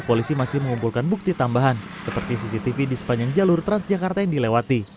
polisi masih mengumpulkan bukti tambahan seperti cctv di sepanjang jalur transjakarta yang dilewati